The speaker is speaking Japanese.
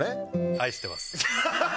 愛してます。